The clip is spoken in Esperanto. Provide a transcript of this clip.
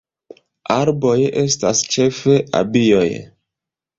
Arboj estas ĉefe abioj.